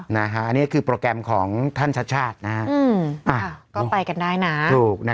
นะครับเนี่ยคือโปรแกรมของท่านชาชาดนะก็ไปกันได้นะ